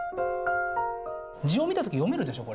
字を見た時読めるでしょ？